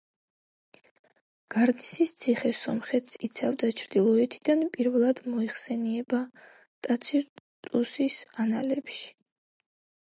გარნისის ციხე სომხეთს იცავდა ჩრდილოეთიდან პირველად მოიხსენიება ტაციტუსის „ანალებში“.